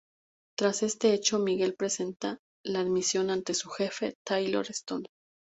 Tras este hecho, Miguel presenta la dimisión ante su jefe, Tyler Stone.